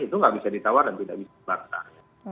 itu nggak bisa ditawar dan tidak bisa dibantah